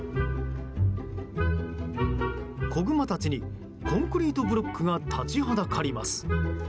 子グマたちにコンクリートブロックが立ちはだかります。